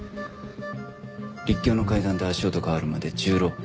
陸橋の階段で足音が変わるまで１６歩。